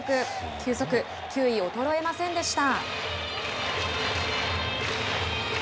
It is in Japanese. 球速、球威、衰えませんでした。